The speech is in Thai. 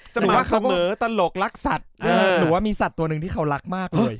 เสมอตลกรักสัตว์หนูว่ามีสัตว์ตัวหนึ่งที่เขารักมากเลย